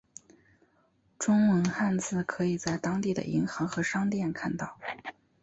中文汉字可以在当地的银行和商店看到。